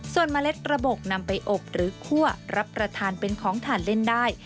ส่วนเมล็ดกระบบนำไปอบหรือคั่วรับประทานเป็นของทานเล่นได้